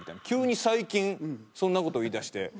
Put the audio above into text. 急に最近そんな事を言いだして。